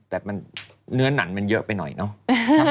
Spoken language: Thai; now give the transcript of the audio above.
แต่เนื้อหนันมันเยอะไปหน่อยเนาะ